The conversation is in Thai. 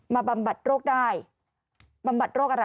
บำบัดโรคได้บำบัดโรคอะไร